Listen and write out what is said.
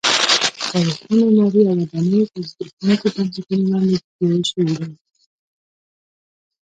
تاریخي معمارۍ او ودانۍ تر زبېښونکو بنسټونو لاندې جوړې شوې دي.